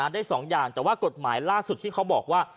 ได้สองอย่างแต่ว่ากฎหมายล่าสุดที่เขาบอกว่า